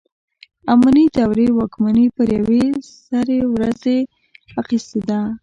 اماني دورې واکمني پر یوې سرې ورځې اخیستې ده.